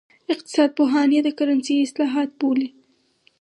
اقتصاد پوهان یې د کرنسۍ اصلاحات بولي.